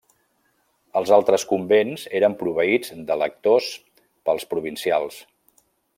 Els altres convents eren proveïts de lectors pels provincials.